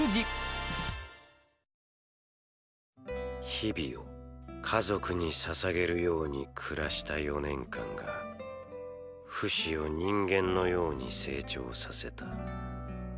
日々を家族に捧げるように暮らした４年間がフシを人間のように成長させた。